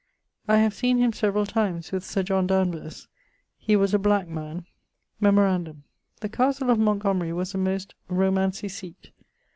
I have seem him severall times with Sir John Danvers: he was a black man. Memorandum: the castle of Montgomery was a most romancy seate.